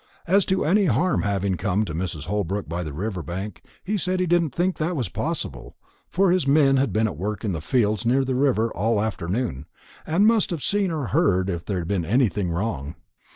As to any harm having come to Mrs. Holbrook by the river bank, he said he didn't think that was possible, for his men had been at work in the fields near the river all the afternoon, and must have seen or heard if there had been anything wrong.